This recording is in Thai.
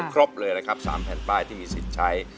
ครบเลยนะครับ๓แผ่นป้ายที่มีสิทธิ์ใช้